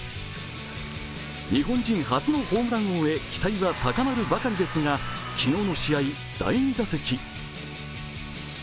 日本人初のホームラン王へ期待は高まるばかりですが昨日の試合、第２打席。